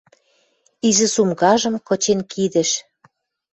Изи сумкажым кычен кидӹш.